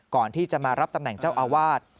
ก่อนที่จะมารับตำแหน่งเจ้าอาวาส